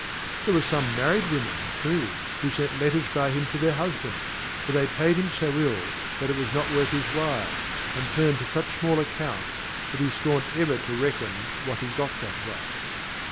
There were some married women, too, who sent letters by him to their husbands, but they paid him so ill that it was not worth his while, and turned to such small account, that he scorned ever to reckon what he got that way.